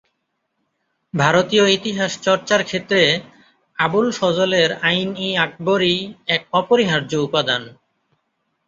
ভারতীয় ইতিহাস চর্চার ক্ষেত্রে আবুল ফজলের আইন-ই-আকবরী এক অপরিহার্য উপাদান।